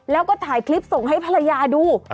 แล้วก็ถ่ายคลิปส่งให้ภรรยาดู